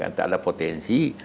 kalau tidak ada potensi